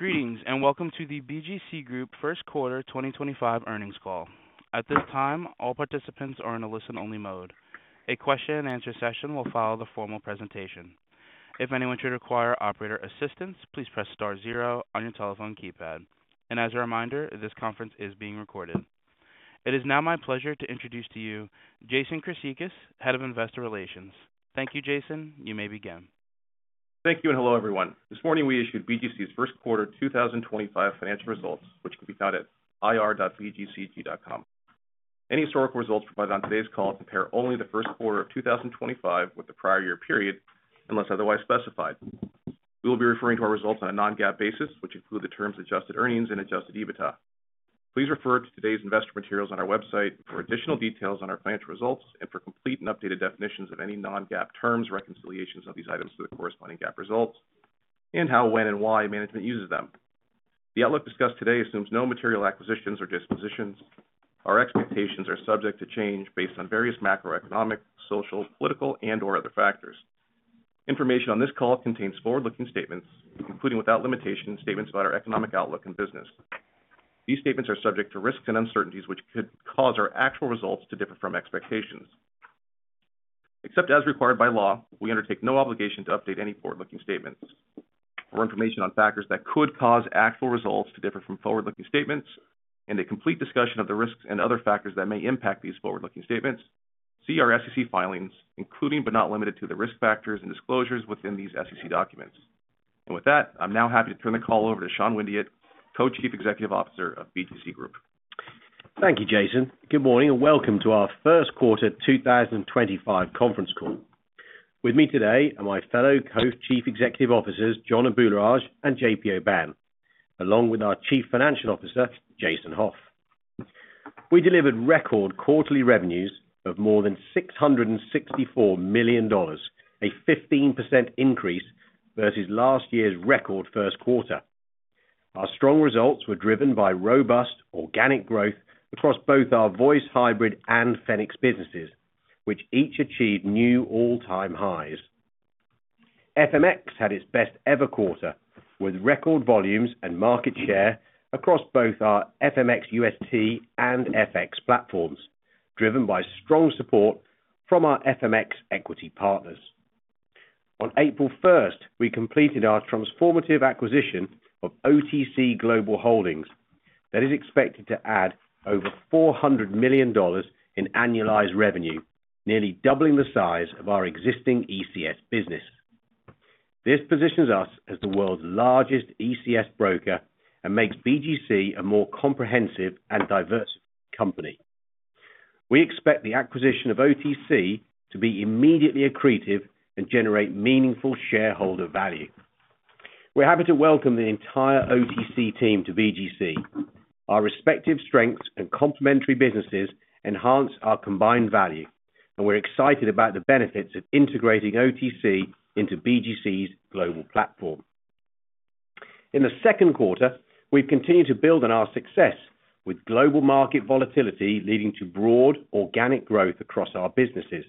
Greetings and welcome to the BGC Group First Quarter 2025 Earnings Call. At this time, all participants are in a listen-only mode. A question-and-answer session will follow the formal presentation. If anyone should require operator assistance, please press star zero on your telephone keypad. As a reminder, this conference is being recorded. It is now my pleasure to introduce to you Jason Chryssicas, Head of Investor Relations. Thank you, Jason. You may begin. Thank you and hello, everyone. This morning, we issued BGC's first quarter 2025 financial results, which can be found at ir.bgcg.com. Any historical results provided on today's call compare only to the first quarter of 2025 with the prior year period unless otherwise specified. We will be referring to our results on a non-GAAP basis, which include the terms adjusted earnings and adjusted EBITDA. Please refer to today's investor materials on our website for additional details on our financial results and for complete and updated definitions of any non-GAAP terms or reconciliations of these items to the corresponding GAAP results and how, when, and why management uses them. The outlook discussed today assumes no material acquisitions or dispositions. Our expectations are subject to change based on various macroeconomic, social, political, and/or other factors. Information on this call contains forward-looking statements, including without limitation statements about our economic outlook and business. These statements are subject to risks and uncertainties, which could cause our actual results to differ from expectations. Except as required by law, we undertake no obligation to update any forward-looking statements. For information on factors that could cause actual results to differ from forward-looking statements and a complete discussion of the risks and other factors that may impact these forward-looking statements, see our SEC filings, including but not limited to the risk factors and disclosures within these SEC documents. I am now happy to turn the call over to Sean Windeatt, Co-Chief Executive Officer of BGC Group. Thank you, Jason. Good morning and welcome to our First Quarter 2025 Conference Call. With me today are my fellow Co-Chief Executive Officers, John Abularrage and JP Aubin, along with our Chief Financial Officer, Jason Hauf. We delivered record quarterly revenues of more than $664 million, a 15% increase versus last year's record first quarter. Our strong results were driven by robust organic growth across both our voice hybrid and ECS businesses, which each achieved new all-time highs. FMX had its best-ever quarter with record volumes and market share across both our FMX UST and FMX FX platforms, driven by strong support from our FMX equity partners. On April 1, we completed our transformative acquisition of OTC Global Holdings that is expected to add over $400 million in annualized revenue, nearly doubling the size of our existing ECS business. This positions us as the world's largest ECS broker and makes BGC a more comprehensive and diversified company. We expect the acquisition of OTC to be immediately accretive and generate meaningful shareholder value. We're happy to welcome the entire OTC team to BGC. Our respective strengths and complementary businesses enhance our combined value, and we're excited about the benefits of integrating OTC into BGC's global platform. In the second quarter, we've continued to build on our success with global market volatility leading to broad organic growth across our businesses.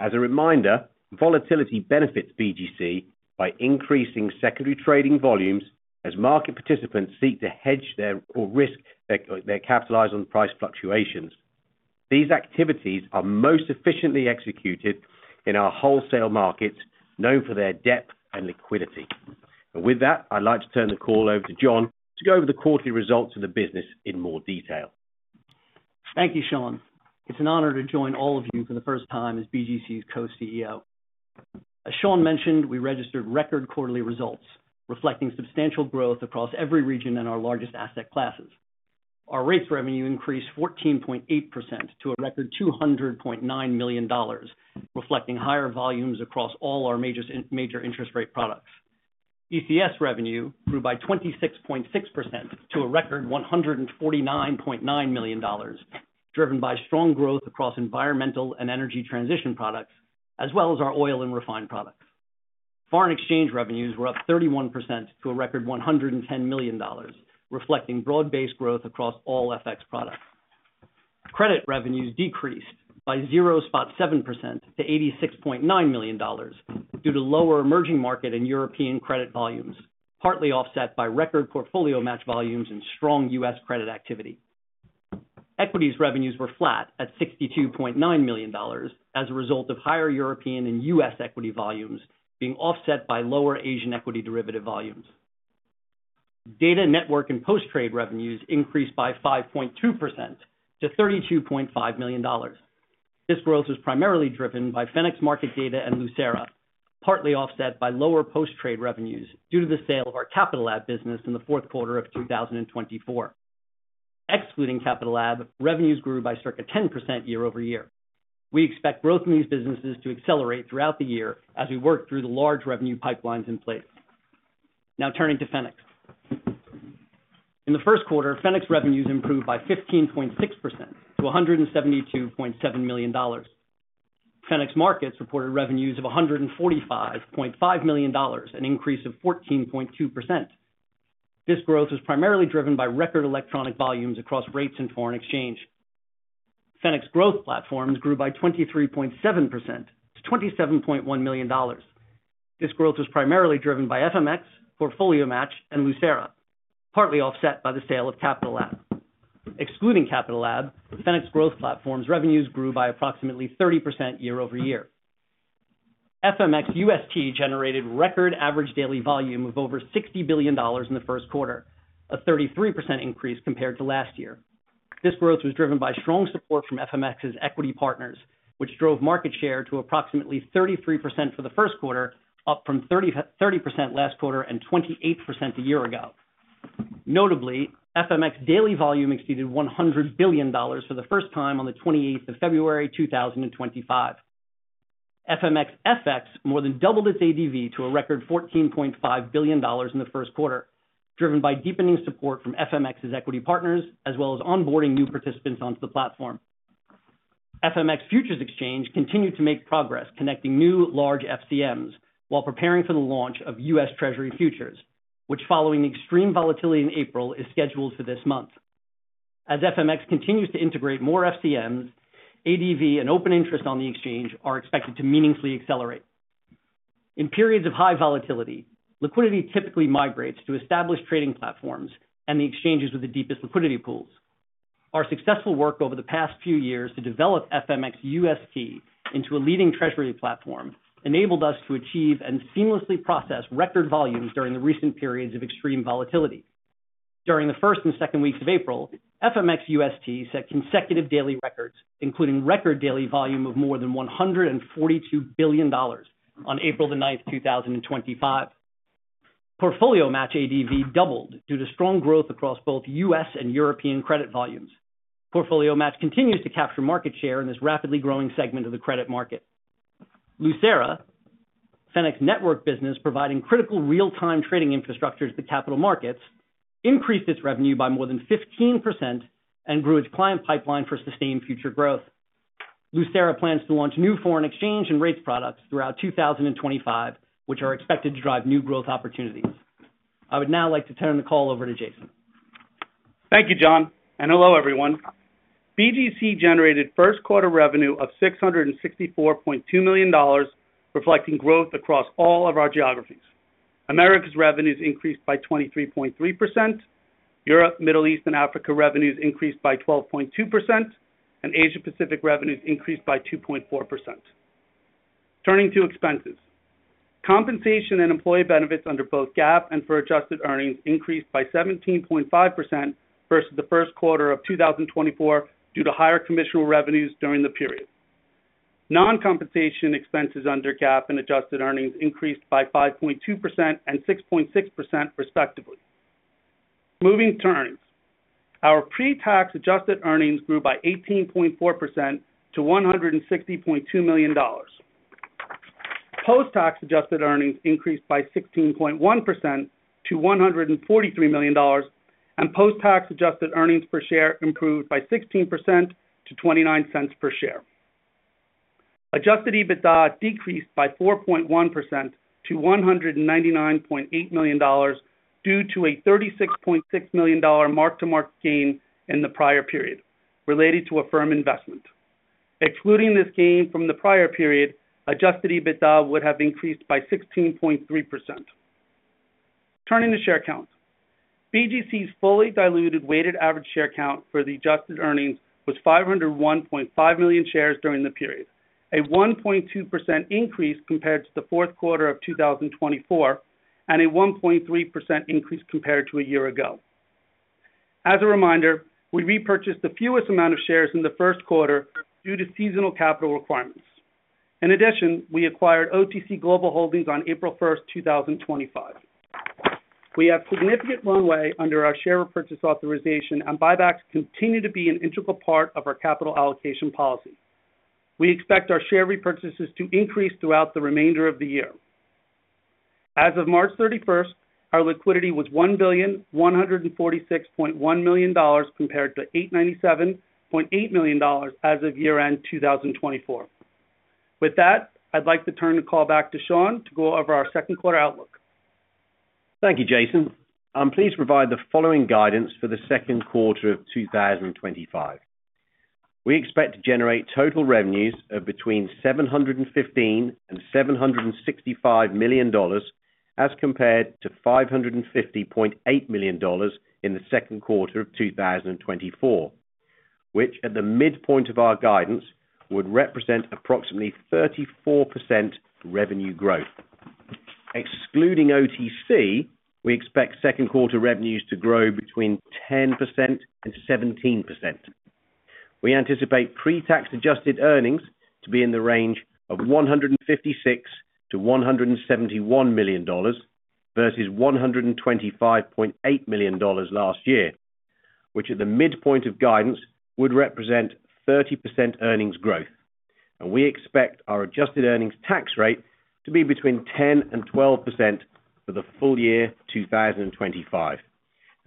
As a reminder, volatility benefits BGC by increasing secondary trading volumes as market participants seek to hedge their or risk their capitalize on price fluctuations. These activities are most efficiently executed in our wholesale markets known for their depth and liquidity. With that, I'd like to turn the call over to John to go over the quarterly results of the business in more detail. Thank you, Sean. It's an honor to join all of you for the first time as BGC's Co-CEO. As Sean mentioned, we registered record quarterly results reflecting substantial growth across every region in our largest asset classes. Our rates revenue increased 14.8% to a record $200.9 million, reflecting higher volumes across all our major interest rate products. ECS revenue grew by 26.6% to a record $149.9 million, driven by strong growth across environmental and energy transition products, as well as our oil and refined products. Foreign exchange revenues were up 31% to a record $110 million, reflecting broad-based growth across all FX products. Credit revenues decreased by 0.7% to $86.9 million due to lower emerging market and European credit volumes, partly offset by record Portfolio Match volumes and strong U.S. credit activity. Equities revenues were flat at $62.9 million as a result of higher European and U.S. equity volumes being offset by lower Asian equity derivative volumes. Data, network, and post-trade revenues increased by 5.2% to $32.5 million. This growth was primarily driven by Fenics market data and Lucera, partly offset by lower post-trade revenues due to the sale of our Capital Lab business in the fourth quarter of 2024. Excluding Capital Lab, revenues grew by circa 10% year over year. We expect growth in these businesses to accelerate throughout the year as we work through the large revenue pipelines in place. Now turning to Fenics. In the first quarter, Fenics revenues improved by 15.6% to $172.7 million. Fenics Markets reported revenues of $145.5 million, an increase of 14.2%. This growth was primarily driven by record electronic volumes across rates and foreign exchange. Fenics Growth Platforms grew by 23.7% to $27.1 million. This growth was primarily driven by FMX, Portfolio Match, and Lucera, partly offset by the sale of Capital Lab. Excluding Capital Lab, FMX Growth Platforms revenues grew by approximately 30% year over year. FMX UST generated record average daily volume of over $60 billion in the first quarter, a 33% increase compared to last year. This growth was driven by strong support from FMX's equity partners, which drove market share to approximately 33% for the first quarter, up from 30% last quarter and 28% a year ago. Notably, FMX daily volume exceeded $100 billion for the first time on the 28th of February 2025. FMX FX more than doubled its ADV to a record $14.5 billion in the first quarter, driven by deepening support from FMX's equity partners as well as onboarding new participants onto the platform. FMX Futures Exchange continued to make progress connecting new large FCMs while preparing for the launch of US Treasury futures, which, following the extreme volatility in April, is scheduled for this month. As FMX continues to integrate more FCMs, ADV and open interest on the exchange are expected to meaningfully accelerate. In periods of high volatility, liquidity typically migrates to established trading platforms and the exchanges with the deepest liquidity pools. Our successful work over the past few years to develop FMX UST into a leading Treasury platform enabled us to achieve and seamlessly process record volumes during the recent periods of extreme volatility. During the first and second weeks of April, FMX UST set consecutive daily records, including record daily volume of more than $142 billion on April 9, 2025. Portfolio Match ADV doubled due to strong growth across both U.S. and European credit volumes. Portfolio Match continues to capture market share in this rapidly growing segment of the credit market. Lucera, ECS network business providing critical real-time trading infrastructure to the capital markets, increased its revenue by more than 15% and grew its client pipeline for sustained future growth. Lucera plans to launch new foreign exchange and rates products throughout 2025, which are expected to drive new growth opportunities. I would now like to turn the call over to Jason. Thank you, John. Hello, everyone. BGC generated first quarter revenue of $664.2 million, reflecting growth across all of our geographies. Americas revenues increased by 23.3%. Europe, Middle East, and Africa revenues increased by 12.2%, and Asia-Pacific revenues increased by 2.4%. Turning to expenses, compensation and employee benefits under both GAAP and for adjusted earnings increased by 17.5% versus the first quarter of 2024 due to higher commission revenues during the period. Non-compensation expenses under GAAP and adjusted earnings increased by 5.2% and 6.6%, respectively. Moving to earnings, our pre-tax adjusted earnings grew by 18.4% to $160.2 million. Post-tax adjusted earnings increased by 16.1% to $143 million, and post-tax adjusted earnings per share improved by 16% to $0.29 per share. Adjusted EBITDA decreased by 4.1% to $199.8 million due to a $36.6 million mark-to-market gain in the prior period related to a firm investment. Excluding this gain from the prior period, adjusted EBITDA would have increased by 16.3%. Turning to share counts, BGC's fully diluted weighted average share count for the adjusted earnings was 501.5 million shares during the period, a 1.2% increase compared to the fourth quarter of 2024, and a 1.3% increase compared to a year ago. As a reminder, we repurchased the fewest amount of shares in the first quarter due to seasonal capital requirements. In addition, we acquired OTC Global Holdings on April 1st, 2025. We have significant runway under our share repurchase authorization, and buybacks continue to be an integral part of our capital allocation policy. We expect our share repurchases to increase throughout the remainder of the year. As of March 31st, our liquidity was $1,146.1 million compared to $897.8 million as of year-end 2024. With that, I'd like to turn the call back to Sean to go over our second quarter outlook. Thank you, Jason. I'm pleased to provide the following guidance for the second quarter of 2025. We expect to generate total revenues of between $715 million and $765 million as compared to $550.8 million in the second quarter of 2024, which at the midpoint of our guidance would represent approximately 34% revenue growth. Excluding OTC, we expect second quarter revenues to grow between 10% and 17%. We anticipate pre-tax adjusted earnings to be in the range of $156 million-$171 million versus $125.8 million last year, which at the midpoint of guidance would represent 30% earnings growth. We expect our adjusted earnings tax rate to be between 10% and 12% for the full year 2025.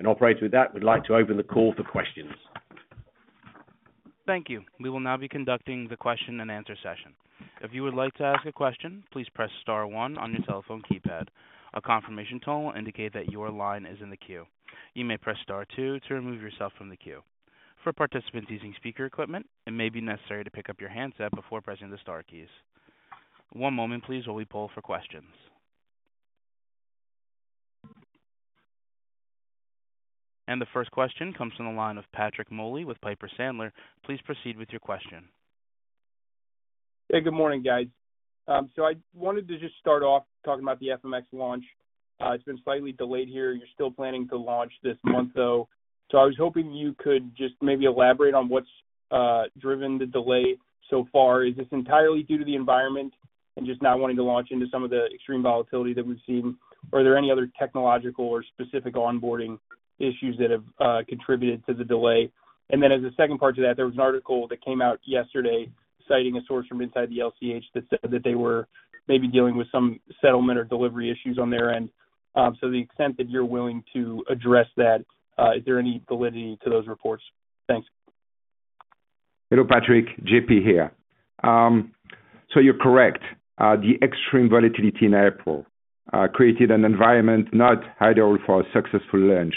Operating with that, we'd like to open the call for questions. Thank you. We will now be conducting the question-and-answer session. If you would like to ask a question, please press star one on your telephone keypad. A confirmation tone will indicate that your line is in the queue. You may press star two to remove yourself from the queue. For participants using speaker equipment, it may be necessary to pick up your handset before pressing the star keys. One moment, please, while we pull for questions. The first question comes from the line of Patrick Moley with Piper Sandler. Please proceed with your question. Hey, good morning, guys. I wanted to just start off talking about the FMX launch. It's been slightly delayed here. You're still planning to launch this month, though. I was hoping you could just maybe elaborate on what's driven the delay so far. Is this entirely due to the environment and just not wanting to launch into some of the extreme volatility that we've seen? Are there any other technological or specific onboarding issues that have contributed to the delay? As a second part to that, there was an article that came out yesterday citing a source from inside the LCH that said that they were maybe dealing with some settlement or delivery issues on their end. To the extent that you're willing to address that, is there any validity to those reports? Thanks. Hello, Patrick. JP here. You're correct. The extreme volatility in April created an environment not ideal for a successful launch.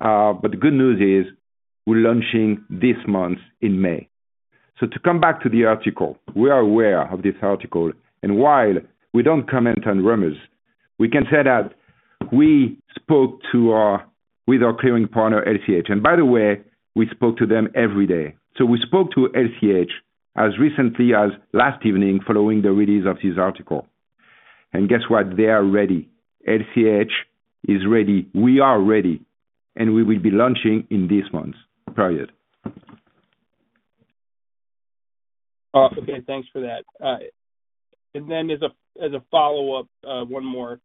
The good news is we're launching this month in May. To come back to the article, we are aware of this article. While we don't comment on rumors, we can say that we spoke with our clearing partner, LCH. By the way, we spoke to them every day. We spoke to LCH as recently as last evening following the release of this article. Guess what? They are ready. LCH is ready. We are ready. We will be launching in this month's period. Okay. Thanks for that. As a follow-up, one more.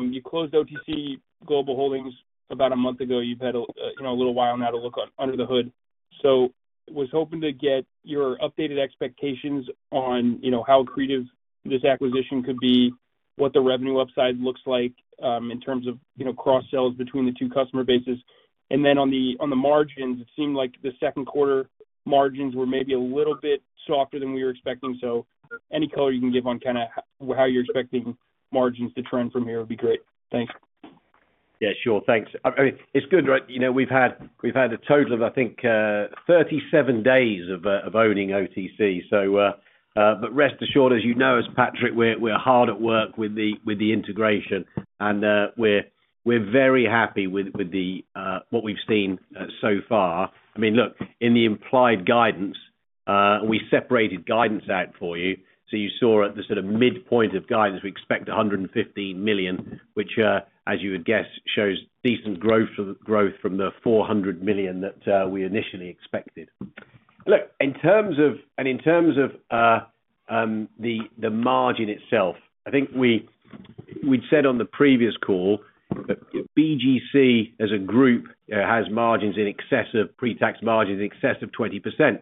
You closed OTC Global Holdings about a month ago. You've had a little while now to look under the hood. I was hoping to get your updated expectations on how accretive this acquisition could be, what the revenue upside looks like in terms of cross-sales between the two customer bases. On the margins, it seemed like the second quarter margins were maybe a little bit softer than we were expecting. Any color you can give on how you're expecting margins to trend from here would be great. Thanks. Yeah, sure. Thanks. I mean, it's good, right? We've had a total of, I think, 37 days of owning OTC. But rest assured, as you know, as Patrick, we're hard at work with the integration. And we're very happy with what we've seen so far. I mean, look, in the implied guidance, we separated guidance out for you. So you saw at the sort of midpoint of guidance, we expect $115 million, which, as you would guess, shows decent growth from the $400 million that we initially expected. Look, in terms of the margin itself, I think we'd said on the previous call that BGC as a group has margins in excess of pre-tax margins in excess of 20%.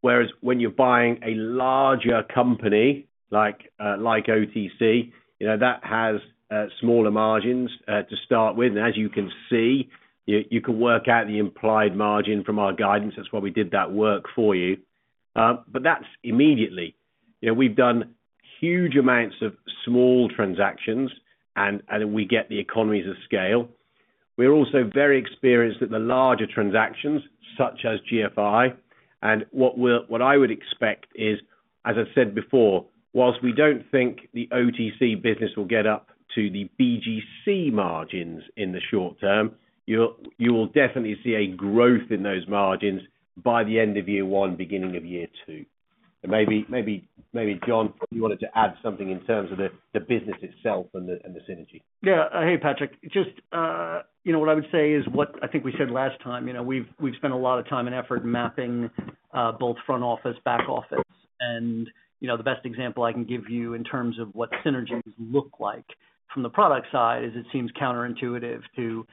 Whereas when you're buying a larger company like OTC, that has smaller margins to start with. And as you can see, you can work out the implied margin from our guidance. That's why we did that work for you. That's immediately. We've done huge amounts of small transactions, and we get the economies of scale. We're also very experienced at the larger transactions, such as GFI. What I would expect is, as I said before, whilst we don't think the OTC business will get up to the BGC margins in the short term, you will definitely see a growth in those margins by the end of year one, beginning of year two. Maybe, John, you wanted to add something in terms of the business itself and the synergy. Yeah. Hey, Patrick. Just what I would say is what I think we said last time. We've spent a lot of time and effort mapping both front office, back office. The best example I can give you in terms of what synergies look like from the product side is it seems counterintuitive to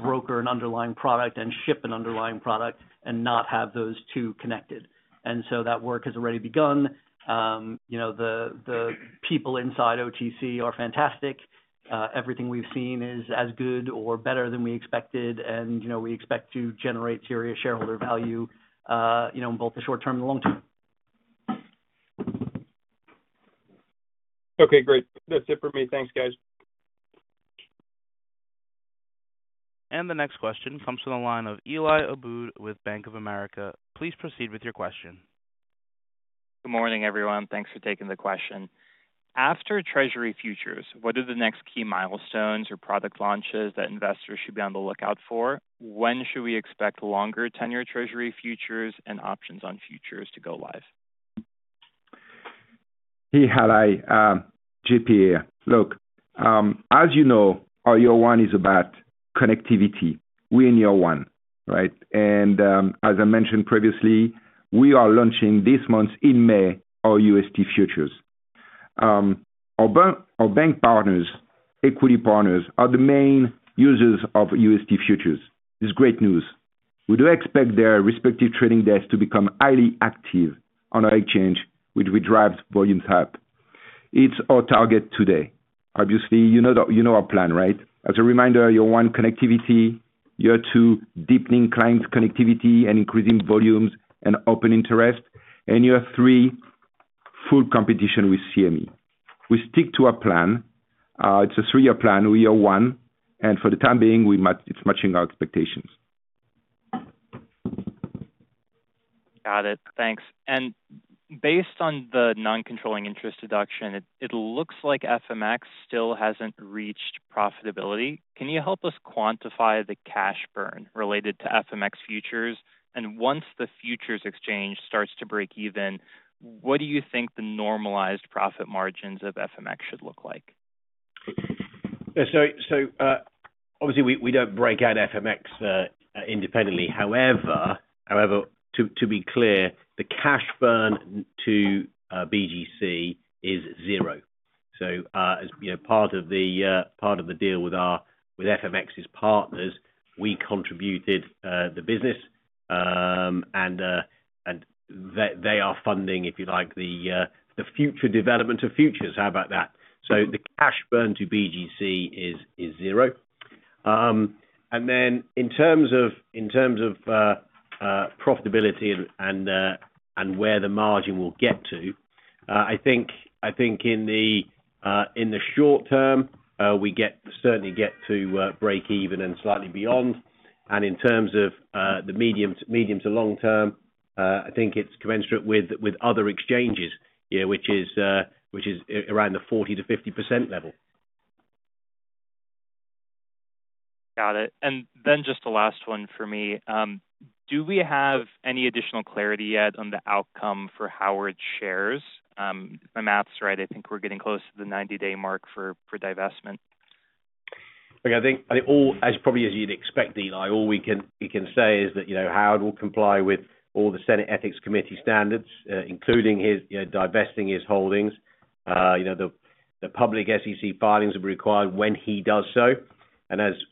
broker an underlying product and ship an underlying product and not have those two connected. That work has already begun. The people inside OTC are fantastic. Everything we've seen is as good or better than we expected. We expect to generate serious shareholder value in both the short term and the long term. Okay. Great. That's it for me. Thanks, guys. The next question comes from the line of Eli Abboud with Bank of America. Please proceed with your question. Good morning, everyone. Thanks for taking the question. After Treasury futures, what are the next key milestones or product launches that investors should be on the lookout for? When should we expect longer-tenure Treasury futures and options on futures to go live? Hey, hello, JP here. Look, as you know, our year one is about connectivity. We're in year one, right? And as I mentioned previously, we are launching this month in May our UST futures. Our bank partners, equity partners, are the main users of UST futures. It's great news. We do expect their respective trading desks to become highly active on our exchange, which will drive volumes up. It's our target today. Obviously, you know our plan, right? As a reminder, year one, connectivity; year two, deepening client connectivity and increasing volumes and open interest; and year three, full competition with CME. We stick to our plan. It's a three-year plan. We are one. For the time being, it's matching our expectations. Got it. Thanks. Based on the non-controlling interest deduction, it looks like FMX still hasn't reached profitability. Can you help us quantify the cash burn related to FMX futures? Once the futures exchange starts to break even, what do you think the normalized profit margins of FMX should look like? Obviously, we do not break out FMX independently. However, to be clear, the cash burn to BGC is zero. As part of the deal with FMX's partners, we contributed the business, and they are funding, if you like, the future development of futures. How about that? The cash burn to BGC is zero. In terms of profitability and where the margin will get to, I think in the short term, we certainly get to break even and slightly beyond. In terms of the medium to long term, I think it is commensurate with other exchanges, which is around the 40%-50% level. Got it. And then just the last one for me. Do we have any additional clarity yet on the outcome for Howard's shares? If my math's right, I think we're getting close to the 90-day mark for divestment. Look, I think, probably as you'd expect, Eli, all we can say is that Howard will comply with all the Senate Ethics Committee standards, including divesting his holdings. The public SEC filings will be required when he does so.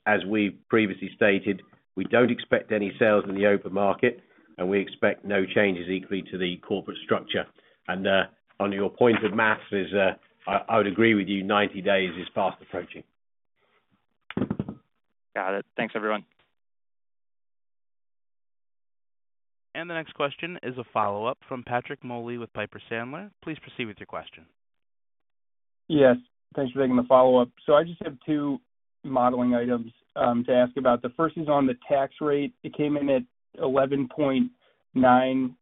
As we previously stated, we don't expect any sales in the open market, and we expect no changes equally to the corporate structure. On your point of maths, I would agree with you, 90 days is fast approaching. Got it. Thanks, everyone. The next question is a follow-up from Patrick Moley with Piper Sandler. Please proceed with your question. Yes. Thanks for taking the follow-up. I just have two modeling items to ask about. The first is on the tax rate. It came in at 11.9%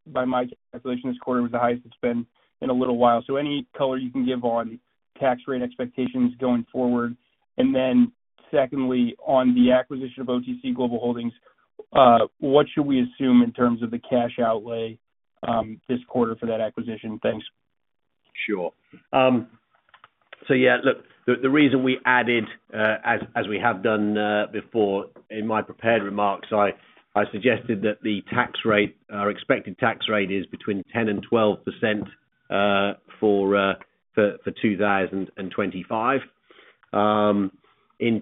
by my calculation this quarter. It was the highest it has been in a little while. Any color you can give on tax rate expectations going forward? Secondly, on the acquisition of OTC Global Holdings, what should we assume in terms of the cash outlay this quarter for that acquisition? Thanks. Sure. So yeah, look, the reason we added, as we have done before in my prepared remarks, I suggested that the expected tax rate is between 10% and 12% for 2025. In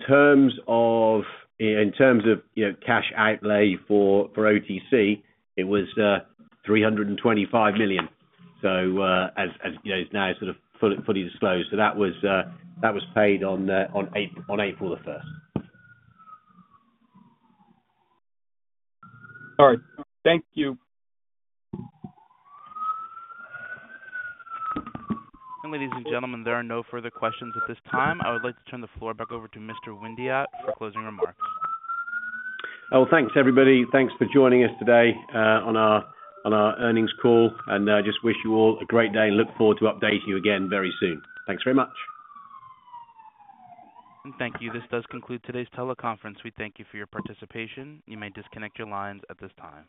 terms of cash outlay for OTC, it was $325 million. As now it's sort of fully disclosed. That was paid on April the 1st. All right. Thank you. Ladies and gentlemen, there are no further questions at this time. I would like to turn the floor back over to Mr. Windeatt for closing remarks. Thanks, everybody. Thanks for joining us today on our earnings call. I just wish you all a great day and look forward to updating you again very soon. Thanks very much. Thank you. This does conclude today's teleconference. We thank you for your participation. You may disconnect your lines at this time.